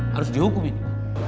harus dihukum ini